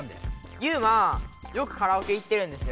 ユウマよくカラオケ行ってるんですよ。